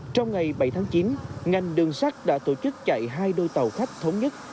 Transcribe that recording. trong ngày bảy tháng chín ngành đường sắt đã tổ chức chạy hai đôi tàu khách thống nhất